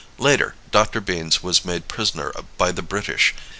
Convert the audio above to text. Later, Dr. Beanes was made prisoner by the British.